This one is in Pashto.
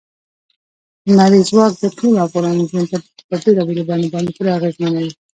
لمریز ځواک د ټولو افغانانو ژوند په بېلابېلو بڼو باندې پوره اغېزمنوي.